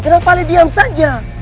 kenapa ale diam saja